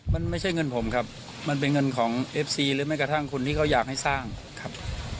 มันไม่ใช่เงินผมครับมันเป็นเงินของเอฟซีหรือแม้กระทั่งคนที่เขาอยากให้สร้างครับ